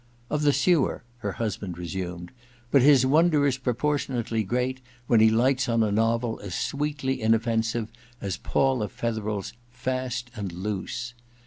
*" Of the sewer," ' her husband resumed ; H 98 EXPIATION ii *" but his wonder is proportionately great when he lights on a novel as sweetly inoffensive as Paula Fetherel's *Fast and Loose.